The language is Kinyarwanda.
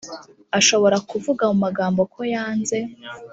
ashobora kuvuga mu magambo ko yanze